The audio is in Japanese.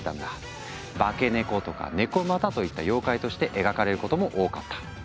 化け猫とか猫又といった妖怪として描かれることも多かった。